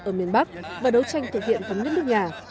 ở miền bắc và đấu tranh thực hiện phấn đất nước nhà